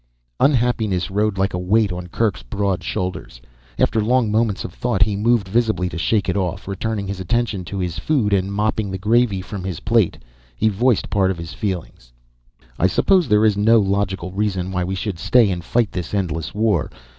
Unhappiness rode like a weight on Kerk's broad shoulders. After long moments of thought he moved visibly to shake it off. Returning his attention to his food and mopping the gravy from his plate, he voiced part of his feelings. "I suppose there is no logical reason why we should stay and fight this endless war.